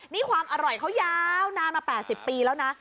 นี่ความอร่อยเขายาวนานมา๘๐ปีแล้วนะ